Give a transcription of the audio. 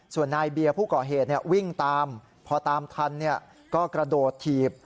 ส่วนนายเบียร์ผู้ก่อเหตุวิ่งตามพอตามทันก็กระโดดถีบ